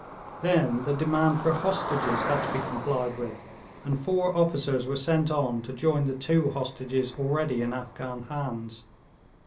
Then the demand for hostages had to be complied with, and four officers were sent on to join the two hostages already in Afghan hands.